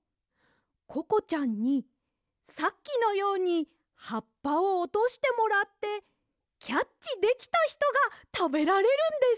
ココちゃんにさっきのようにはっぱをおとしてもらってキャッチできたひとがたべられるんです！